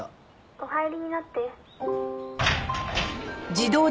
「お入りになって」